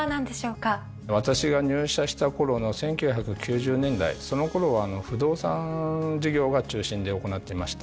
私が入社したころの１９９０年代そのころは不動産事業が中心で行っていました。